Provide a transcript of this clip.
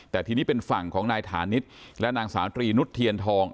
แต่ทีนี้เป็นฝั่งของนายฐานิษฐ์และนางสาวตรีนุษย์เทียนทอง